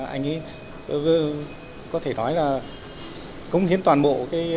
anh ấy có thể nói là cống hiến toàn bộ